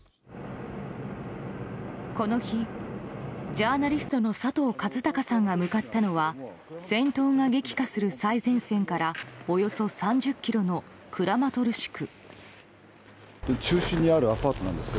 この日、ジャーナリストの佐藤和孝さんが向かったのは戦闘が激化する最前線からおよそ３０ｋｍのクラマトルシク。